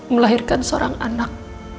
melahirkan seorang anak